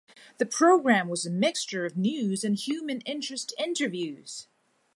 The program was a mixture of news and human interest interviews.